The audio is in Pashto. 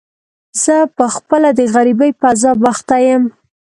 زه په خپله د غريبۍ په عذاب اخته يم.